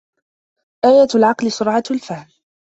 آيَةُ الْعَقْلِ سُرْعَةُ الْفَهْمِ